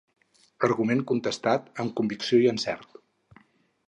Argument contestat amb convicció i encert.